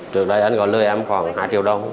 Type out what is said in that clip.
trước đây anh còn lưu em khoảng hai triệu đồng